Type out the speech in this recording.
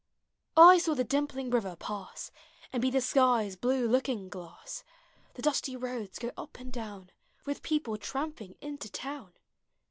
I saw the dimpling river pass And be the sky's bine looking glass; The dusty roads go up and down With people tramping in to town.